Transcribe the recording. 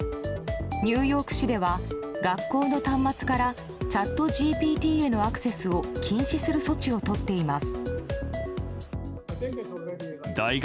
ニューヨーク市では学校の端末からチャットＧＰＴへのアクセスを禁止する措置をとっています。